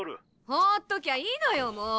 放っときゃいいのよもう！